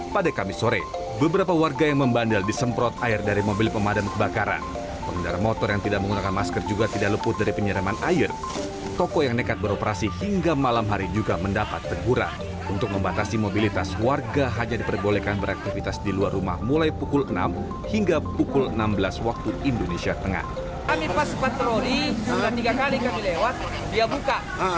pas patroli sudah tiga kali kami lewat dia buka